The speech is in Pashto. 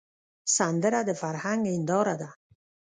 سندره د فرهنګ هنداره ده